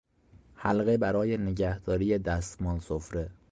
حلقه برای نگهداری دستمال سفره